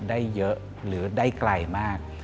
ได้เยอะหรือได้ไกลมาก